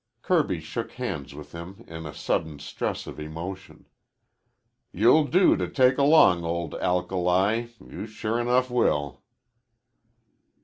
Kirby shook hands with him in a sudden stress of emotion. "You'll do to take along, old alkali, you sure enough will."